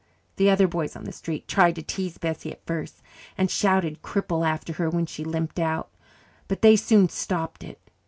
The other boys on the street tried to tease Bessie at first and shouted "Cripple!" after her when she limped out. But they soon stopped it.